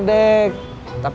bukan bbos tuhan